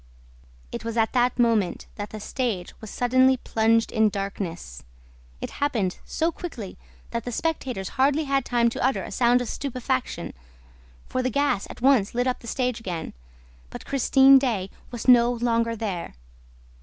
It was at that moment that the stage was suddenly plunged in darkness. It happened so quickly that the spectators hardly had time to utter a sound of stupefaction, for the gas at once lit up the stage again. But Christine Daae was no longer there!